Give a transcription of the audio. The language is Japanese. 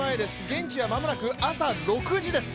現地は間もなく朝６時です。